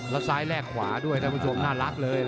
แล้วซ้ายแลกขวาด้วยน่ารักเลย